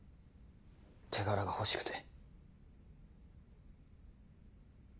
手柄が欲しくて。